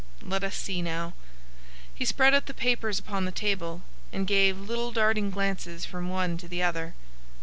Let us see, now." He spread out the papers upon the table, and gave little darting glances from one to the other.